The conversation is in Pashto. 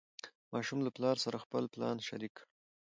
ماشوم له پلار سره خپل پلان شریک کړ